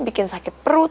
bikin sakit perut